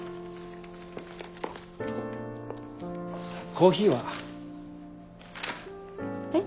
コーヒーは？えっ？